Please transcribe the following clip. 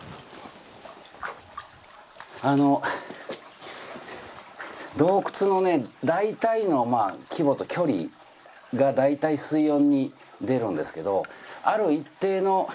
あの洞窟のね大体の規模と距離が大体水温に出るんですけどある一定の距離